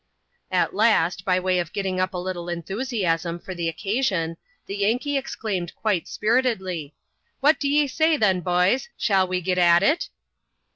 At last, by way of getting up a little enthusiasm for the occa sion, the Yankee exclaimed quite spiritedly, " What d'ye say, then, b'ys, shall we git at it